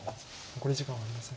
残り時間はありません。